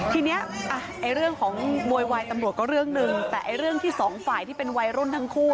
ทีนี้เรื่องของโวยวายตำรวจก็เรื่องหนึ่งแต่เรื่องที่สองฝ่ายที่เป็นวัยรุ่นทั้งคู่